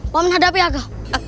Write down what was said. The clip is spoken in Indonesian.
paman hadapi aku